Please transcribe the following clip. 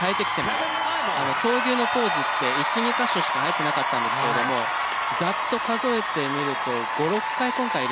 闘牛のポーズって１２カ所しか入ってなかったんですけれどもざっと数えてみると５６回今回入れてましたね。